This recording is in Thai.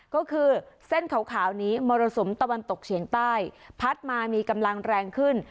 ก็คือเส้นขาวนี้มรสุมตะวันตกเฉียงใต้พัดมามีกำลังแรงขึ้น